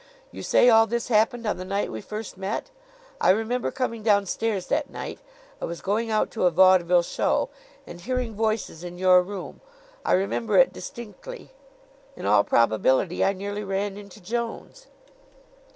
You say all this happened on the night we first met? I remember coming downstairs that night I was going out to a vaudeville show and hearing voices in your room. I remember it distinctly. In all probability I nearly ran into Jones."